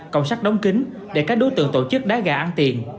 cảnh sát đóng kính để các đối tượng tổ chức đá gà ăn tiền